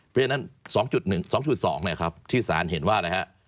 เพราะฉะนั้น๒๑๒๒ที่สารเห็นว่า